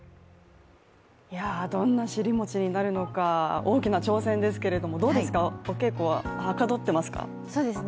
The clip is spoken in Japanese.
どんな「尻餅」になるのか大きな挑戦ですけれどもどうですか、お稽古ははかどっていますか？